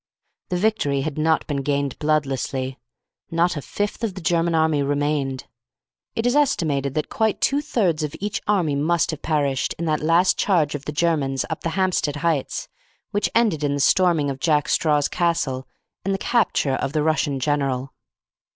The victory had not been gained bloodlessly. Not a fifth of the German army remained. It is estimated that quite two thirds of each army must have perished in that last charge of the Germans up the Hampstead heights, which ended in the storming of Jack Straw's Castle and the capture of the Russian general.